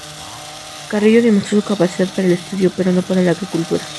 Carrillo demostró su capacidad para el estudio, pero no para la agricultura.